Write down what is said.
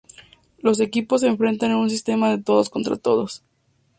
Los equipos se enfrentan en un sistema de todos contra todos.